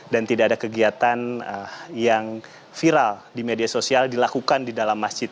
dan tidak ada kegiatan yang viral di media sosial dilakukan di dalam masjid